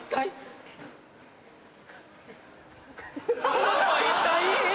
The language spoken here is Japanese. あなたは一体。